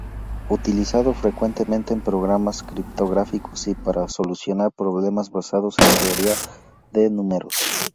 Utilizado frecuentemente en programas criptográficos y para solucionar problemas basados en teoría de números.